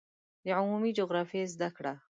د عمومي جغرافیې زده کړه